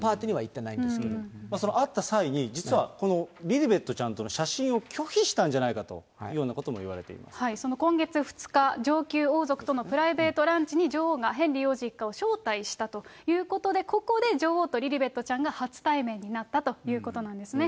その会った際に、実はこのリリベットちゃんとの写真を拒否したんじゃないかというその今月２日、上級王族とのプライベートランチに、女王がヘンリー王子一家を招待したということで、ここで女王とリリベットちゃんが初対面になったということなんですね。